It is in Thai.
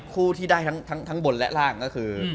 คู่ที่ได้ทั้งบนและล่างก็คือ